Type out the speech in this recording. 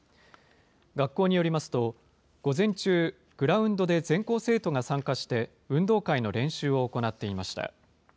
学校によりますと、午前中、グラウンドで全校生徒が参加して、運動会の練習を行っていました。